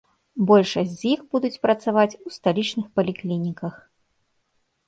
Большасць з іх будуць працаваць у сталічных паліклініках.